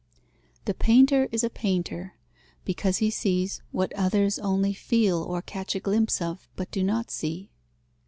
The painter is a painter, because he sees what others only feel or catch a glimpse of, but do not see.